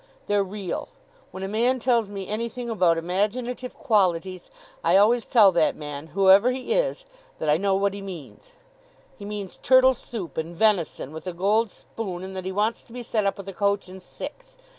They're real. When a man tells me anything about imaginative qualities, I always tell that man, whoever he is, that I know what he means. He means turtle soup and venison, with a gold spoon, and that he wants to be set up with a coach and six.